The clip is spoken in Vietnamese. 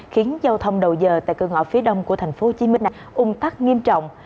khiến giao thông đầu giờ tại cửa ngõ phía đông của tp hcm ung tắc nghiêm trọng